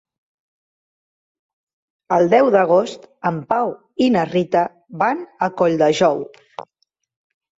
El deu d'agost en Pau i na Rita van a Colldejou.